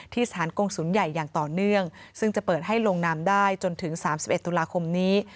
ที่สถานกงศูนย์ใหญ่อย่างต่อเนื่องซึ่งจะเปิดให้ลงนามได้จนถึง๓๑ตุลาคมนี้